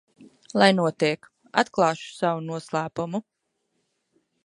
Lai notiek, atklāšu savu noslēpumu.